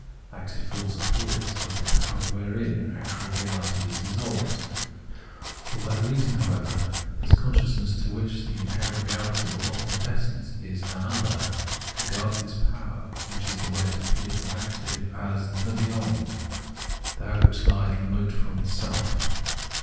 Active force appears as the power wherein actual reahty is dissolved. For that reason, however, this consciousness, to which the inherent reahty, or ultimate essence, is an " other," regards this power (which is the way it appears when active), as " the beyond," that which hes remote from its self.